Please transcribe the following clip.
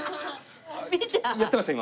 やってました？